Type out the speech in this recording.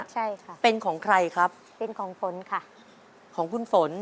ใช่ค่ะเป็นของใครครับเป็นของฝนค่ะของคุณฝน